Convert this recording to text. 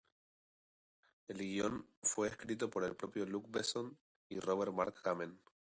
El guión fue escrito por el propio Luc Besson y Robert Mark Kamen.